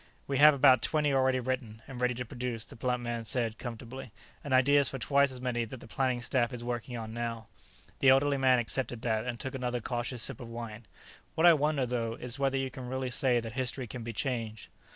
"We have about twenty already written and ready to produce," the plump man said comfortably, "and ideas for twice as many that the planning staff is working on now." The elderly man accepted that and took another cautious sip of wine. "What I wonder, though, is whether you can really say that history can be changed."